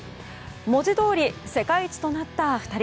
文字どおり世界一となった２人。